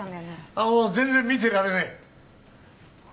ああもう全然見てられない